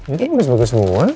ini bagus semua